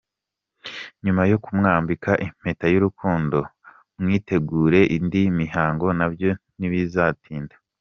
Nyuma yo kumwambika impeta y’urukundo mwitegure indi mihango, na byo ntibizatinda…”.